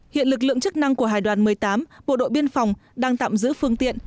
hiện lực lượng chức năng của hải đoàn một mươi tám bộ đội biên phòng đang tạm giữ phương tiện